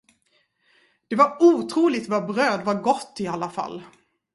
Det var otroligt vad bröd var gott i alla fall.